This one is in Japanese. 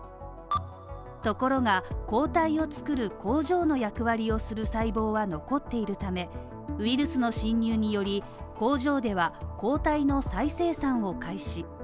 ところが、抗体を作る工場の役割をする細胞は残っているため、ウイルスの侵入により工場では、抗体の再生産を開始。